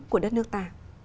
của đất nước ta